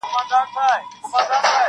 • چي ناحقه پردي جنگ ته ورگډېږي -